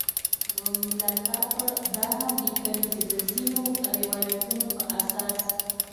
رومیلا تاپړ دا هم لیکلي چې د ځینو روایتونو په اساس.